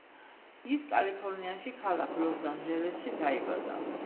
ის კალიფორნიაში, ქალაქ ლოს ანჯელესში დაიბადა.